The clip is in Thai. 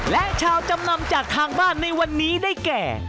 และชาวจำนำจากทางบ้านในวันนี้ได้แก่